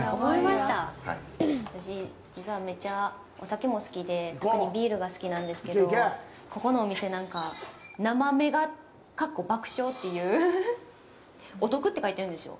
私、実はめっちゃお酒も好きで、特にビールが好きなんですけど、ここのお店、なんか、「生メガ」っていう、お得って書いてるんですよ。